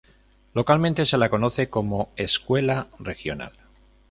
Localmente se la conoce como Escuela Regional.